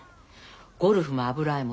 ゴルフも油絵も